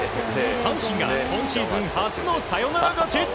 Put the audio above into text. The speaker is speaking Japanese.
阪神が今シーズン初のサヨナラ勝ち。